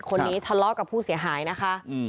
คนนี้ทะเลาะกับผู้เสียหายนะคะ